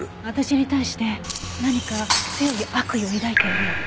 私に対して何か強い悪意を抱いている。